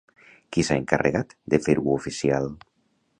Qui s'ha encarregat de fer-ho oficial?